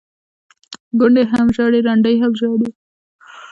ـ کونډې هم ژاړي ړنډې هم ژاړي،